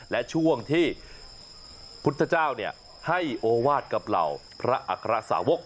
และช่วงที่พุทธเจ้าให้โอวาสกับเหล่าพระอัครสาวก